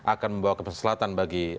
akan membawa kepeselatan bagi